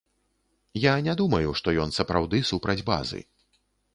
Я не думаю, што ён сапраўды супраць базы.